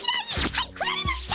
はいふられました！